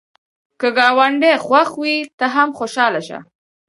که ګاونډی خوښ وي، ته هم خوشحاله شه